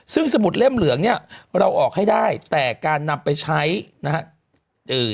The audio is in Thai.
ซึ่งสมุดเล่มเหลืองเนี่ยเราออกให้ได้แต่การนำไปใช้นะฮะเอ่อ